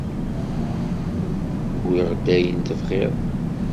Wwiɣ-d ayen tebɣiḍ.